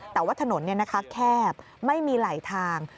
แต่ว่าถนนแคบไม่มีไหลทาง